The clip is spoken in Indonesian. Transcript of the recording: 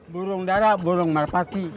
burung darah burung merpati